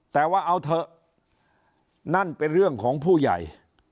แต่ว่าเอาเถอะนั่นเป็นเรื่องของผู้ใหญ่